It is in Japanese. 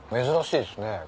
珍しいっすね。